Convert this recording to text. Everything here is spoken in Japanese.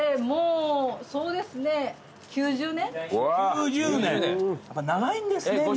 もうそうですね。